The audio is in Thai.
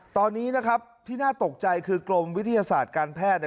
ตอนนี้ที่น่าตกใจคือกรมวิทยาศาสตร์การแพทย์